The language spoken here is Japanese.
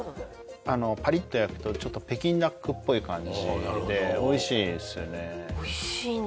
あのパリッと焼くとちょっと北京ダックっぽい感じでなるほどおいしいですね